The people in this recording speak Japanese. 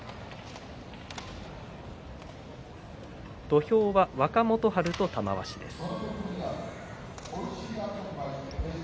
土俵は若元春と玉鷲です。